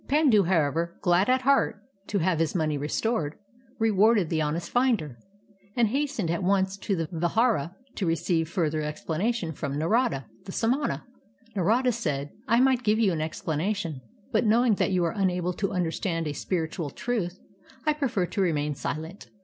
Pandu, however, glad at heart 1 A Brahman god. 49 IXDIA to have his money restored, rewarded the honest finder, and hastened at once to the liMra to receive further explanation from Xarada, the samana. Xarada said: ^'I might give you an explanation, but knowing that you are unable to understand a spiritual truth, I prefer to remain silent.